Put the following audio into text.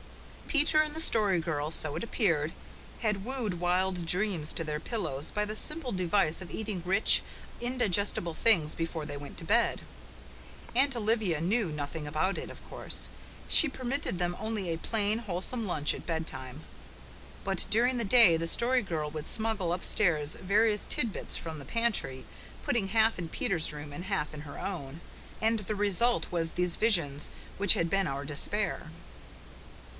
Peter and the Story Girl, so it appeared, had wooed wild dreams to their pillows by the simple device of eating rich, indigestible things before they went to bed. Aunt Olivia knew nothing about it, of course. She permitted them only a plain, wholesome lunch at bed time. But during the day the Story Girl would smuggle upstairs various tidbits from the pantry, putting half in Peter's room and half in her own; and the result was these visions which had been our despair.